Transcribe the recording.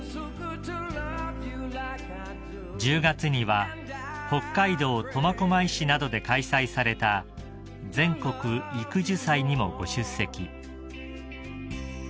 ［１０月には北海道苫小牧市などで開催された全国育樹祭にもご出席］